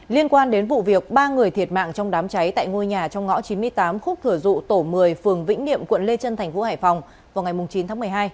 liên quan đến vụ việc ba người thiệt mạng trong đám cháy tại ngôi nhà trong ngõ chín mươi tám khúc thừa dụ tổ một mươi phường vĩnh niệm quận lê trân thành phố hải phòng vào ngày chín tháng một mươi hai